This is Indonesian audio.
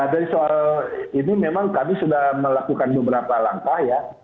dari soal ini memang kami sudah melakukan beberapa langkah ya